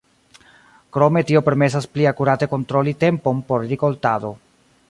Krome tio permesas pli akurate kontroli tempon por rikoltado.